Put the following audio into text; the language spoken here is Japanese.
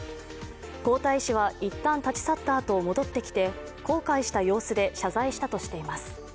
皇太子は、いったん立ち去ったあと戻ってきて公開した様子で謝罪したとしています。